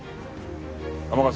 天笠。